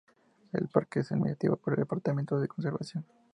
El parque es administrado por el Departamento de Conservación.